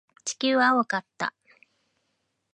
地球は青かった。